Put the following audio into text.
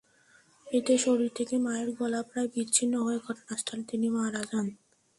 এতে শরীর থেকে মায়ের গলা প্রায় বিচ্ছিন্ন হয়ে ঘটনাস্থলে তিনি মারা যান।